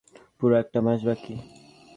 পুরো একটা মাস বাকী।